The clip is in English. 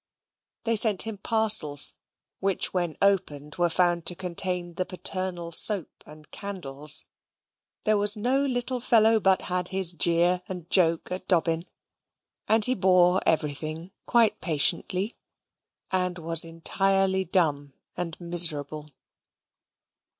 They sent him parcels, which, when opened, were found to contain the paternal soap and candles. There was no little fellow but had his jeer and joke at Dobbin; and he bore everything quite patiently, and was entirely dumb and miserable.